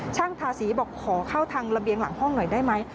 ทาสีบอกขอเข้าทางระเบียงหลังห้องหน่อยได้ไหม